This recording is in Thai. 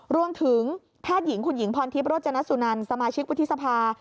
รวมถึงแพทย์หญิงคุณหญิงพรธิปรจนสุนันท์สมาชิกวิทยศภา